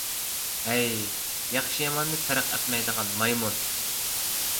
ھەي، ياخشى - ياماننى پەرق ئەتمەيدىغان مايمۇن!